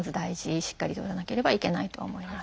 しっかりとらなければいけないと思います。